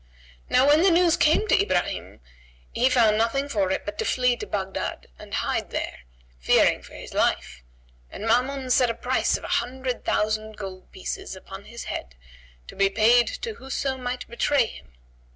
Now when the news came to Ibrahim, he found nothing for it but to flee to Baghdad and hide there, fearing for his life; and Maamun set a price of a hundred thousand gold pieces upon his head, to be paid to whoso might betray him.